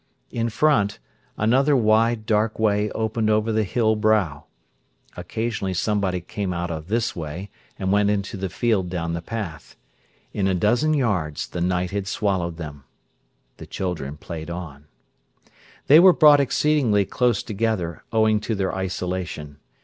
In front, another wide, dark way opened over the hill brow. Occasionally somebody came out of this way and went into the field down the path. In a dozen yards the night had swallowed them. The children played on. They were brought exceedingly close together owing to their isolation.